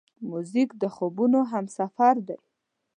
موزیک د خوبونو همسفر دی.